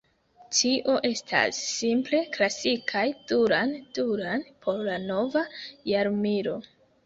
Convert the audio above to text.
Tio estas simple "klasikaj Duran Duran por la nova jarmilo".